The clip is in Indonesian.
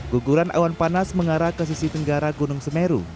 guguran awan panas mengarah ke sisi tenggara gunung semeru